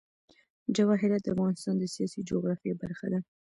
جواهرات د افغانستان د سیاسي جغرافیه برخه ده.